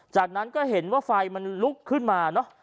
จากนั้นก็เห็นว่าไฟมันลุกขึ้นมาเนอะ